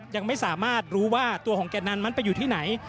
ยังไม่สามารถรู้ว่าตัวของแก่นันนั้นมันไปอยู่ที่ไหน